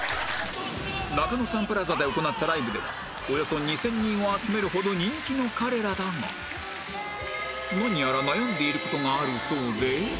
中野サンプラザで行ったライブではおよそ２０００人を集めるほど人気の彼らだが何やら悩んでいる事があるそうで